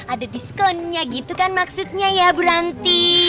ada diskonnya gitu kan maksudnya ya bu ranti